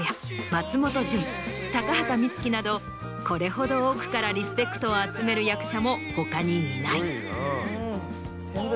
松本潤高畑充希などこれほど多くからリスペクトを集める役者も他にいない。